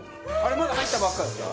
まだ入ったばっかですか？